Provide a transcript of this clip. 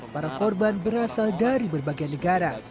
para korban berasal dari berbagai negara